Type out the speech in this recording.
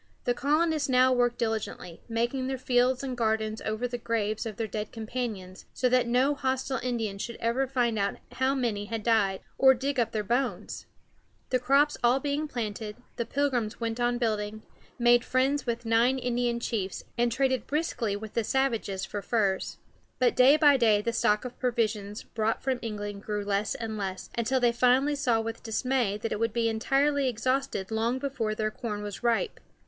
The colonists now worked diligently, making their fields and gardens over the graves of their dead companions, so that no hostile Indians should ever find out how many had died, or dig up their bones. The crops being all planted, the Pilgrims went on building, made friends with nine Indian chiefs, and traded briskly with the savages for furs. But day by day the stock of provisions brought from England grew less and less, until they finally saw with dismay that it would be entirely exhausted long before their corn was ripe.